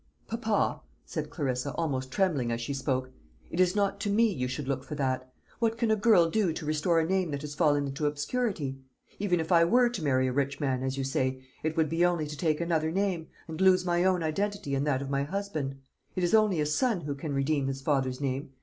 "Papa," said Clarissa, almost trembling as she spoke, "it is not to me you should look for that. What can a girl do to restore a name that has fallen into obscurity? Even if I were to marry a rich man, as you say, it would be only to take another name, and lose my own identity in that of my husband. It is only a son who can redeem his father's name.